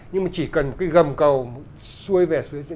nhưng mà chỉ cần cái gầm cầu xuôi về sau